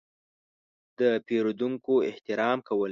– د پېرودونکو احترام کول.